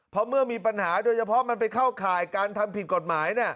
เพราะเมื่อมีปัญหาโดยเฉพาะมันไปเข้าข่ายการทำผิดกฎหมาย